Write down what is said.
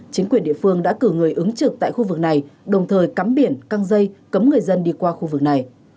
chính quyền địa phương đã cử người ứng trực tại khu vực này đồng thời cắm biển căng dây cấm người dân đi qua khu vực này